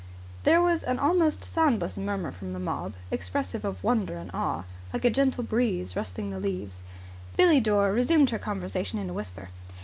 There was an almost soundless murmur from the mob, expressive of wonder and awe, like a gentle breeze rustling leaves. Billie Dore resumed her conversation in a whisper.